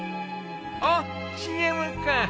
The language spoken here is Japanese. おっＣＭか。